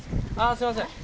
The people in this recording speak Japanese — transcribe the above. すいません。